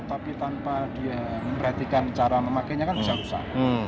tapi tanpa dia memperhatikan cara memakainya kan bisa usaha